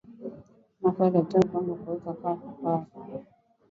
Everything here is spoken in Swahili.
Mwanamke akitaka ku uza pango eko na haki